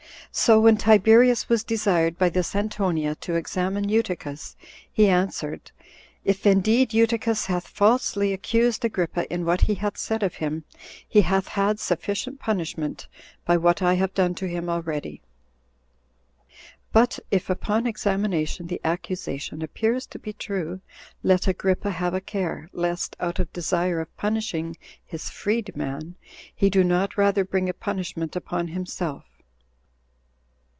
So when Tiberius was desired by this Antonia to examine Eutychus, he answered, "If indeed Eutychus hath falsely accused Agrippa in what he hath said of him, he hath had sufficient punishment by what I have done to him already; but if, upon examination, the accusation appears to be true, let Agrippa have a care, lest, out of desire of punishing his freed man, he do not rather bring a punishment upon himself."